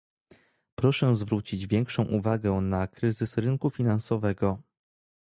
proszę zwrócić większą uwagę na kryzys rynku finansowego